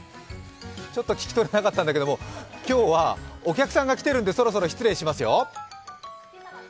ちょっと聞き取れなかったんだけど、お客さんが来てるのでそろそろ失礼しますよ。